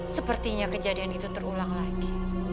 sepertinya kejadian itu terulang lagi